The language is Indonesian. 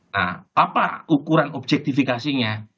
nah apa ukuran objektifikasinya